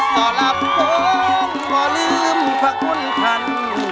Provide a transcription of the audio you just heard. ต้อนรับผมขอลืมพระคุณทัน